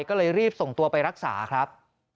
ก็เลยรีบส่งตัวไปรักษาครับ